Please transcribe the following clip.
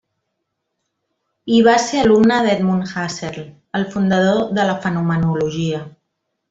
Hi va ser alumne d'Edmund Husserl, el fundador de la fenomenologia.